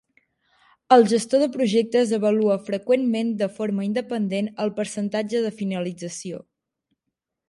El gestor de projectes avalua freqüentment de forma independent el percentatge de finalització.